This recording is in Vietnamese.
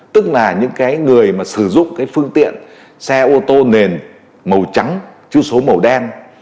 tức là những cái người mà sử dụng cái phương tiện xe ô tô nền màu trắng chữ số màu đen